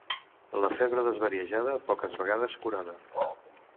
La febre desvariejada, poques vegades curada.